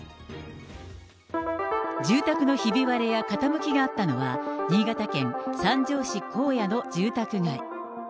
住宅のひび割れや傾きがあったのは、新潟県三条市興野の住宅街。